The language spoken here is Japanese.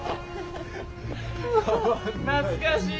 懐かしい！